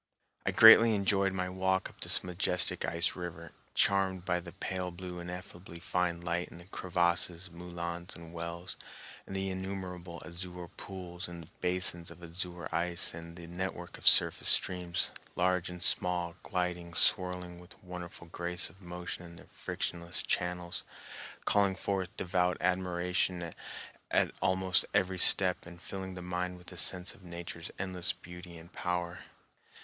I greatly enjoyed my walk up this majestic ice river, charmed by the pale blue, ineffably fine light in the crevasses, moulins, and wells, and the innumerable azure pools in basins of azure ice, and the network of surface streams, large and small, gliding, swirling with wonderful grace of motion in their frictionless channels, calling forth devout admiration at almost every step and filling the mind with a sense of Nature's endless beauty and power.